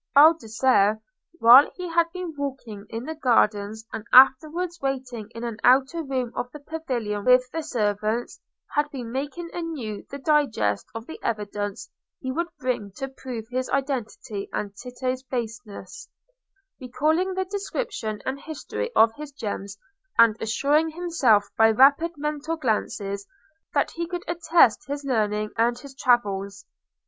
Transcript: Baldassarre, while he had been walking in the gardens and afterwards waiting in an outer room of the pavilion with the servants, had been making anew the digest of the evidence he would bring to prove his identity and Tito's baseness, recalling the description and history of his gems, and assuring himself by rapid mental glances that he could attest his learning and his travels.